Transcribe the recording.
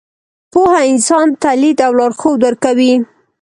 پوهه انسان ته لید او لارښود ورکوي.